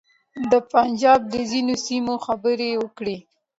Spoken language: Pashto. د پنجاب د ځینو سیمو خبرې وکړې.